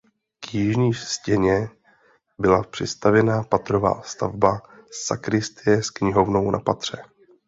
K jižní stěně byla přistavěna patrová stavba sakristie s knihovnou na patře.